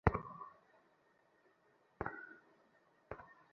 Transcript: কিন্তু ঠা ঠাট্টা নয় মা, এ সত্য কথা।